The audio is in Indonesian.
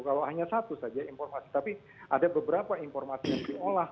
kalau hanya satu saja informasi tapi ada beberapa informasi yang diolah